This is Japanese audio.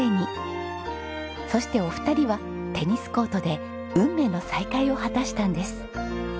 そしてお二人はテニスコートで運命の再会を果たしたんです。